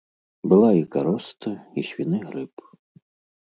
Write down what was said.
Была і кароста, і свіны грып.